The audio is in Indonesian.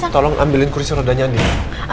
tolong ambilin kursi rodanya nih